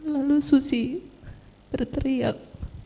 lalu susi berteriak